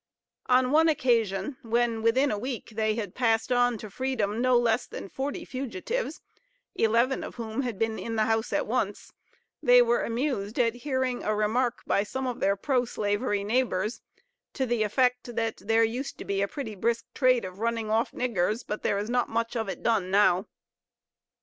On one occasion, when, within a week, they had passed on to freedom no less than forty fugitives, eleven of whom had been in the house at once, they were amused at hearing a remark by some of their pro slavery neighbors, to the effect that "there used to be a pretty brisk trade of running off niggers, but there was not much of it done now."